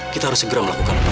kita harus segera melakukan apa